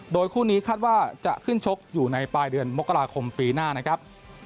โดยคู่นี้คาดว่าจะขึ้นชกอยู่ในปลายเดือนมกราคมปีหน้านะครับ